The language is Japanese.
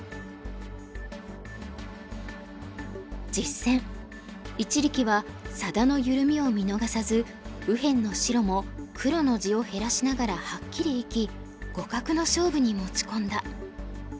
実戦一力は佐田の緩みを見逃さず右辺の白も黒の地を減らしながらはっきり生き互角の勝負に持ち込んだ。